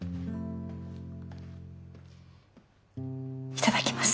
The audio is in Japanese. いただきます。